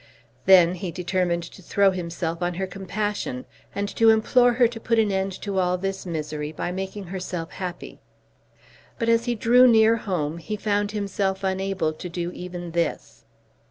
Then he determined to throw himself on her compassion and to implore her to put an end to all this misery by making herself happy. But as he drew near home he found himself unable to do even this.